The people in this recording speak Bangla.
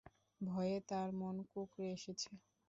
ভয়ে তার মন কুঁকড়ে এসেছে।